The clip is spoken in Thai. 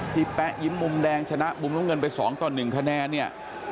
พี่แป๊ะยิ้มมุมแดงชนะมุมเงินไป๒๑คะแน่นี่